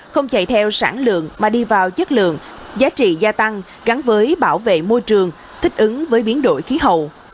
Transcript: không chạy theo sản lượng mà đi vào chất lượng giá trị gia tăng gắn với bảo vệ môi trường thích ứng với biến đổi khí hậu